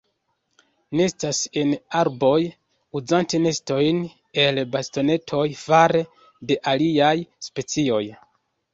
Nestas en arboj, uzante nestojn el bastonetoj fare de aliaj specioj.